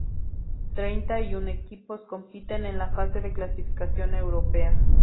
Treinta y un equipos compiten en la fase de clasificación europea.